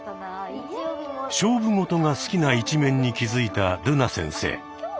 勝負事が好きな一面に気付いたるな先生。